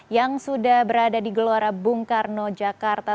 yang sudah berada di gelora bung karno jakarta